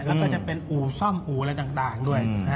แล้วก็จะเป็นอู่ซ่อมอู่อะไรต่างด้วย